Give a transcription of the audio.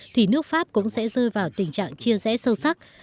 thì nước pháp cũng sẽ rơi vào tình trạng chia rẽ sâu sắc